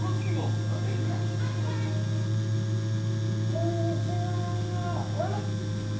こんにちはわぁ！